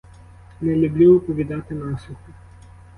Не люблю оповідати насухо.